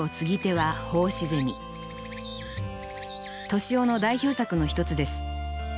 敏郎の代表作の一つです。